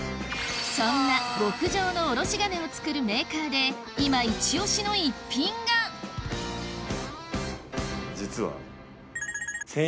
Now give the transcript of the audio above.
そんな極上のおろし金をつくるメーカーで今イチ押しの逸品が実は。